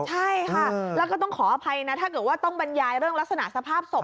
ใช่ค่ะแล้วก็ต้องขออภัยนะถ้าเกิดว่าต้องบรรยายเรื่องลักษณะสภาพศพ